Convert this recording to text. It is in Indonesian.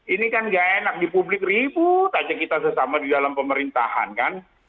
ini kan gak enak di publik ribut aja kita sesama di dalam pemerintahan kan